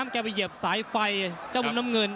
น้ำเข้าไปเหยียบสายไฟเจ้ามุมน้ำเงิน